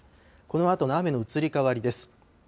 このあとの雨の移り変わりです。